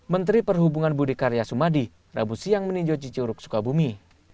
menteri perhubungan budi karya sumadi rabu siang meninjau cicuruk sukabumi